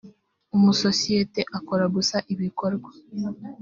amasosiyete akora gusa ibikorwa